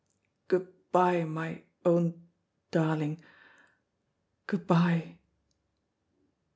Good bye, my own darling, good bye."